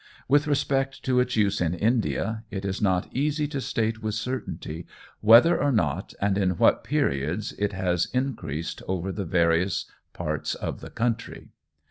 With respect to its use in India, it is not easy to state with certainty whether or not and in what periods, it has increased over the various parts of the country.